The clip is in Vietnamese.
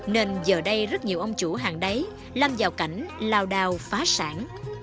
nên giờ đây rất nhiều ông chủ hàng đáy lâm vào cảnh lao đào phá sản